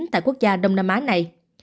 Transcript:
tại quốc gia đông nam á này